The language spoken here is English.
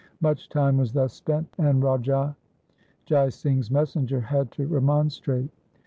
Much time was thus spent, and Raja Jai Singh's messenger had to remonstrate.